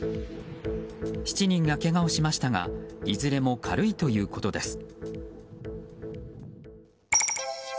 ７人がけがをしましたがいずれも軽いということです。